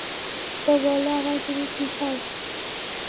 তো, বলো আমায় তুমি কী চাও।